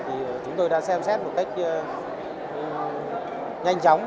thì chúng tôi đã xem xét một cách nhanh chóng